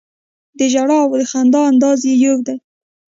د ژړا او د خندا انداز یې یو دی.